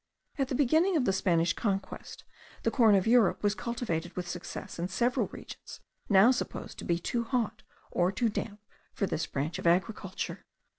At the beginning of the Spanish conquest, the corn of Europe was cultivated with success in several regions now supposed to be too hot, or too damp, for this branch of agriculture.